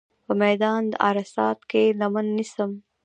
په میدان د عرصات کې لمنه نیسم.